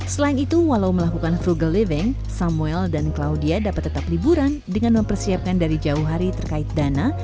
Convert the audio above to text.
selain itu walau melakukan frugal living samuel dan claudia dapat tetap liburan dengan mempersiapkan dari jauh hari terkait dana